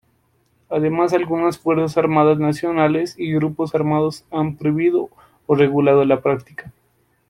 Además algunas fuerzas armadas nacionales y grupos armados han prohibido o regulado la práctica.